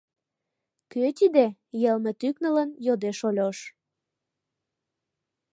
Кӧ тиде? — йылме тӱкнылын, йодеш Ольош.